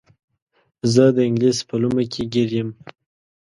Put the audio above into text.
زه د انګلیس په لومه کې ګیر یم.